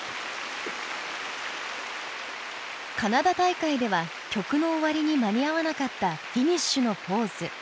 カナダ大会では曲の終わりに間に合わなかったフィニッシュのポーズ。